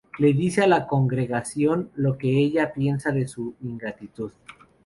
Le dice a la congregación lo que ella piensa de su ingratitud.